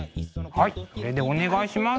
はいこれでお願いします。